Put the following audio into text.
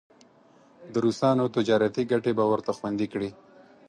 د روسانو تجارتي ګټې به ورته خوندي کړي.